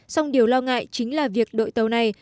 song điều lo ngại chính là việc đội tàu này